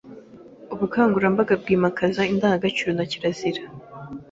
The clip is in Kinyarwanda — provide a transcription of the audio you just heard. Ubukangurambaga bwimakaza indangagaciro na kirazira;